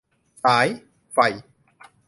สาย ไฟ